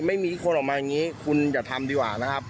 ไม่มีคนออกมาอย่างนี้คุณอย่าทำดีกว่านะครับ